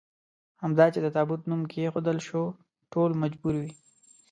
همدا چې د تابو نوم کېښودل شو ټول مجبور وي.